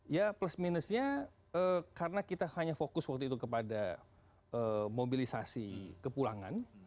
ya plus minusnya karena kita hanya fokus waktu itu kepada mobilisasi kepulangan